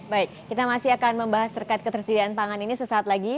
baik kita masih akan membahas terkait ketersediaan pangan ini sesaat lagi